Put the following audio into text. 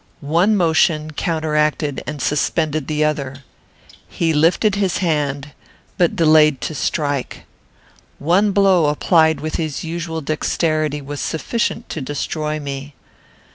One motion counteracted and suspended the other. He lifted his hand, but delayed to strike. One blow, applied with his usual dexterity, was sufficient to destroy me.